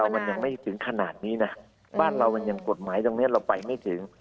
มันยังไม่ถึงขนาดนี้นะบ้านเรามันยังกฎหมายตรงนี้เราไปไม่ถึง